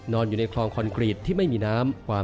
อยู่ในคลองคอนกรีตที่ไม่มีน้ำ